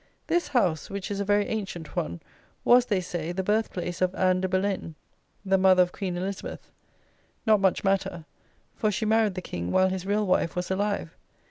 This house, which is a very ancient one, was, they say, the birth place of Ann de Boleyne, the mother of Queen Elizabeth. Not much matter; for she married the king while his real wife was alive.